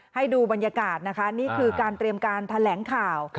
ให้ดูบรรยากาศนะคะนี่คือการเตรียมการแถลงข่าว